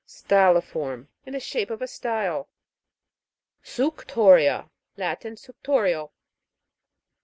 STY'LIFORM. In shape of a stile. Sucyo'RiA. Latin. Suctorial.